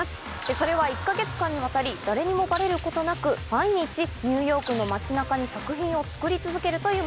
それは１か月間にわたり誰にもバレることなく毎日ニューヨークの街中に作品を作り続けるというもの。